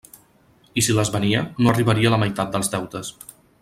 I si les venia, no arribaria a la meitat dels deutes.